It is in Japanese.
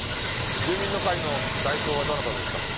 住民の会の代表はどなたですか？